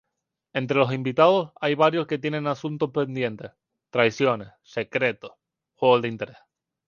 Entre los invitados hay varios que tienen asuntos pendientes: traiciones, secretos, juegos de intereses.